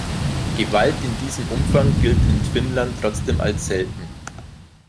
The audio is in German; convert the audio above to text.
Gewalt in diesem Umfang gilt in Finnland trotzdem als selten.